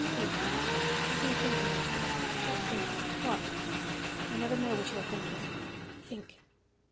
Speak. What are you thinking of? What thinking? What? I never know what you are thinking. Think."